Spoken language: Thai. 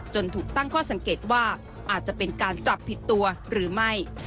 ถูกตั้งข้อสังเกตว่าอาจจะเป็นการจับผิดตัวหรือไม่